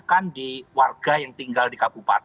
dan perek lalu cuma ngengshebabkan dengan cepat